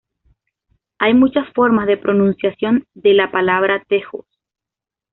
Hay muchas formas de pronunciación de la palabra tejos.